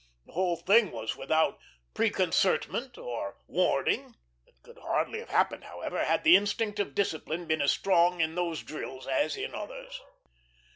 The whole thing was without preconcertment or warning. It could hardly have happened, however, had the instinct of discipline been as strong in these drills as in others.